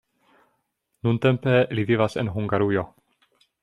Nuntempe li vivas en Hungarujo.